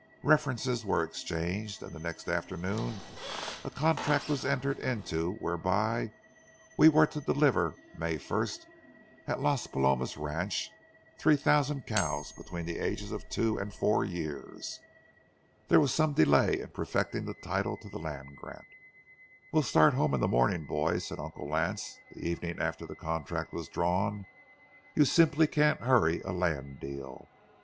References were exchanged, and the next afternoon a contract was entered into whereby we were to deliver, May first, at Las Palomas ranch, three thousand cows between the ages of two and four years. There was some delay in perfecting the title to the land grant. "We'll start home in the morning, boys," said Uncle Lance, the evening after the contract was drawn. "You simply can't hurry a land deal.